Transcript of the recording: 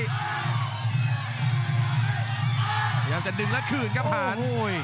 พยายามจะดึงแล้วคืนครับผ่าน